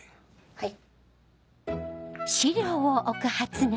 はい。